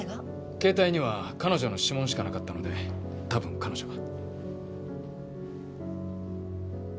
携帯には彼女の指紋しかなかったので多分彼女が。